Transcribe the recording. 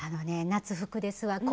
夏服ですわ。